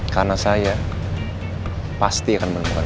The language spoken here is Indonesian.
karena saya pasti akan menemukan kamu